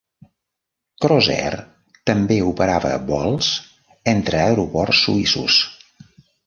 Crossair també operava vols entre aeroports suïssos.